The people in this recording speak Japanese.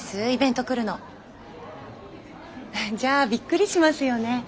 イベント来るの。じゃあびっくりしますよね？